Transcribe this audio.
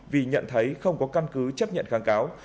vì nhận thấy không có căn cứ chấp nhận kháng cáo